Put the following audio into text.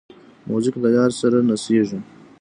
موزیک له یار سره نڅېږي.